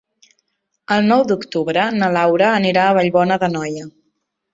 El nou d'octubre na Laura anirà a Vallbona d'Anoia.